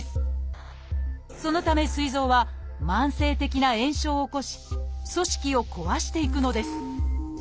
そのためすい臓は慢性的な炎症を起こし組織を壊していくのです。